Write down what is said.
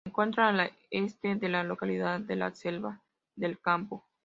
Se encuentra al este de la localidad de La Selva del Campo.